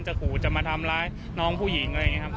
ขู่จะมาทำร้ายน้องผู้หญิงอะไรอย่างนี้ครับ